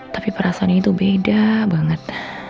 tapi perasaan ini tuh beda banget